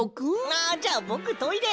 あじゃあぼくトイレ！